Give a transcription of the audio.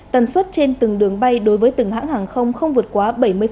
tần suất trên từng đường bay đối với từng hãng hàng không không vượt quá bảy mươi